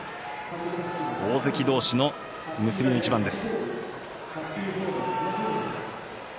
大関同士の結びの一番です。